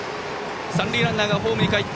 三塁ランナーがホームにかえり